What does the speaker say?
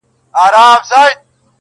o نجلۍ نوم کله کله يادېږي تل,